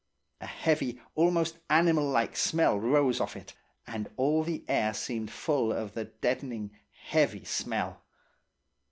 A heavy almost animal like smell rose off it, and all the air seemed full of the deadening, heavy smell.